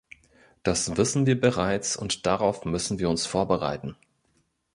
Das wissen wir bereits und darauf müssen wir uns vorbereiten.